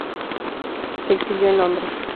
Se exilió en Londres.